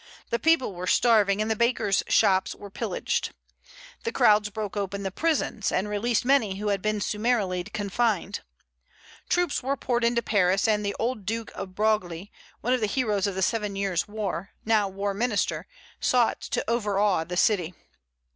The people were starving, and the bakers' shops were pillaged. The crowds broke open the prisons, and released many who had been summarily confined. Troops were poured into Paris, and the old Duke of Broglie, one of the heroes of the Seven Years' War, now war minister, sought to overawe the city.